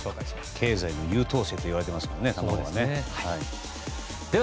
経済の優等生といわれていますからね、卵は。